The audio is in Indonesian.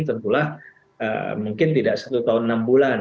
tentulah mungkin tidak satu tahun enam bulan